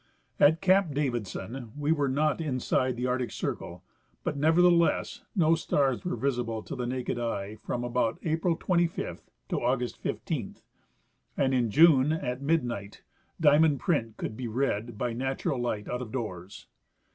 At camp Davidson we were not in side the arctic circle, but nevertheless no stars were visible to the naked eye from about April 25 to August 15, and in June at midnight diamond print could be read by natural light out of doors.